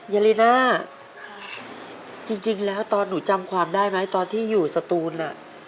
ยาลีน่าจริงแล้วตอนหนูจำความได้ไหมตอนที่อยู่สตูน